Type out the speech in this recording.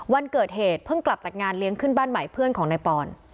วันเกิดเหตุเพิ่งกลับจากงานเลี้ยงขึ้นบ้านใหม่เพื่อนของนายปอน